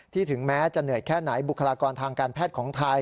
ถึงแม้จะเหนื่อยแค่ไหนบุคลากรทางการแพทย์ของไทย